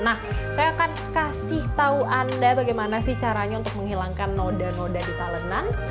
nah saya akan kasih tahu anda bagaimana sih caranya untuk menghilangkan noda noda di talenan